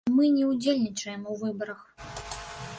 Мы не ўдзельнічаем у выбарах!